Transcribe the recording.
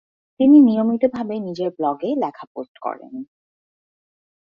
তিনি নিয়মিতভাবে নিজের ব্লগে লেখা পোস্ট করেন।